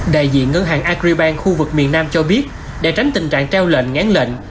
đại diện ngân hàng agribank khu vực miền nam cho biết để tránh tình trạng treo lệnh ngán lệnh